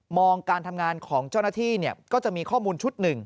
มองการทำงานของเจ้าหน้าที่เนี่ยก็จะมีข้อมูลชุด๑